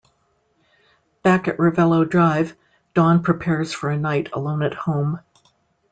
Back at Revello Drive, Dawn prepares for a night alone at home.